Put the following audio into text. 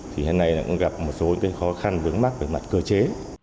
thì hôm nay cũng gặp một số khó khăn đứng mắt về mặt cơ chế